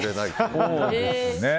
そうですね。